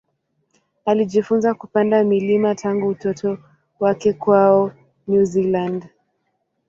Alijifunza kupanda milima tangu utoto wake kwao New Zealand.